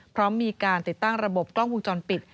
พร้อมมีการติดตั้งระบบกล้องวงจรปิด